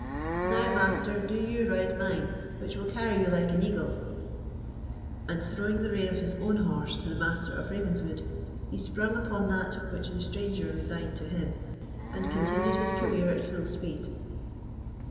Now, Master, do you ride mine, which will carry you like an eagle." And throwing the rein of his own horse to the Master of Ravenswood, he sprung upon that which the stranger resigned to him, and continued his career at full speed.